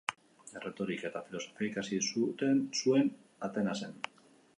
Erretorika eta filosofia ikasi zuen Atenasen.